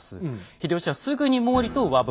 秀吉はすぐに毛利と和睦。